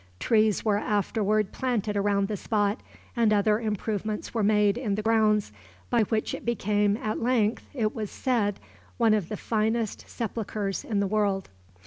Trees were afterward planted around the spot, and other improvements were made in the grounds, by which it became, at length, it was said, one of the finest sepulchres in the world.